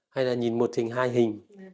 hay là nhìn một hình hai hình